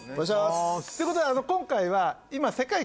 ということで今回は。